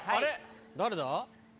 誰だ？